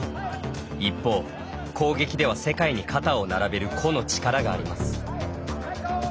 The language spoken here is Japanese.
一方、攻撃では世界に肩を並べる個の力があります。